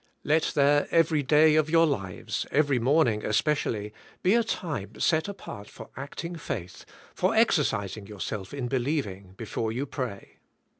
Let there, every day of your lives, every morning, especially, be a time set apart for acting faith, for exercising yourself in believing, before you pray.